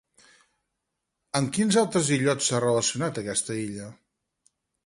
Amb quins altres illots s'ha relacionat aquesta illa?